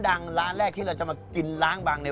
อ่ะทำไมพี่ไม่นั่งห้ะ